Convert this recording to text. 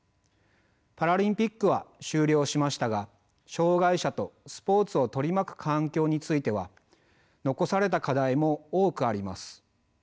パラリンピックは終了しましたが障害者とスポーツを取り巻く環境については残された課題も多くあります。